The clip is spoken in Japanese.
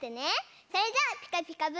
それじゃあ「ピカピカブ！」